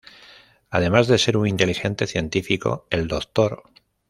Además de ser un inteligente científico, el Dr.